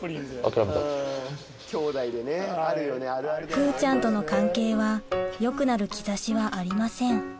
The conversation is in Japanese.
風ちゃんとの関係は良くなる兆しはありません